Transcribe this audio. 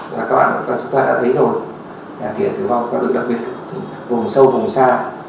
và các bạn chúng ta đã thấy rồi là thiệt thứ ba có được đặc biệt gồm sâu gồm xa